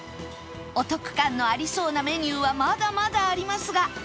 お得感のありそうなメニューはまだまだありますが